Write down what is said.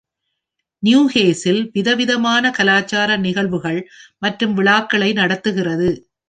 Newcastle விதவிதமான கலாச்சார நிகழ்வுகள் மற்றும் விழாக்களை நடத்துகிறது.